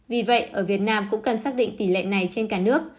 vì vậy ở việt nam cũng cần xác định tỷ lệ này trên cả nước